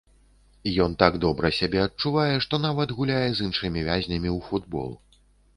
Ён так добра сябе адчувае, што нават гуляе з іншымі вязнямі ў футбол.